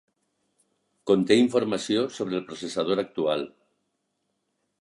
Conté informació sobre el processador actual.